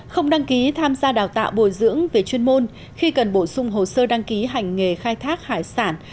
không đăng ký tham gia đào tạo bồi dưỡng về chuyên môn khi cần bổ sung hồ sơ đăng ký hành nghề khai thác hải sản